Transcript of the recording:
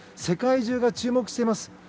世界中が注目しています。